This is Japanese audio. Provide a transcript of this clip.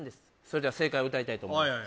それでは正解を歌いたいと思います